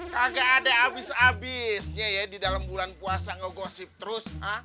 kagak ada abis abisnya ya di dalam bulan puasa ngegosip terus